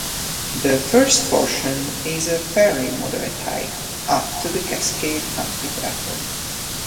The first portion is a fairly moderate hike, up to the Cascade Amphitheatre.